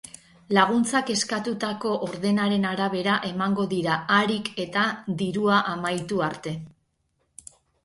Laguntzak eskatutako ordenaren arabera emango dira, harik eta dirua amaitu arte.